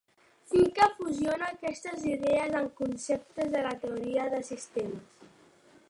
Finke fusiona aquestes idees amb conceptes de la teoria de sistemes.